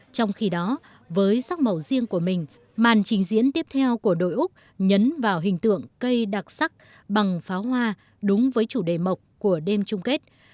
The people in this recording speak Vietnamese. trong khi đó với sắc màu riêng của mình màn trình diễn tiếp theo của đội úc nhấn vào hình tượng cây đặc sắc bằng pháo hoa đúng với chủ đề mộc của đêm chung kết